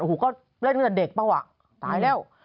โอ้โหก็เล่นตั้งแต่เด็กเปล่าว่ะตายแล้ว